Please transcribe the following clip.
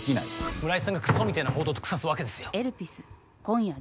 村井さんがくそみたいな報道とくさすわけですよ。